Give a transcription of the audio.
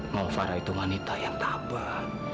mama farah itu wanita yang tabat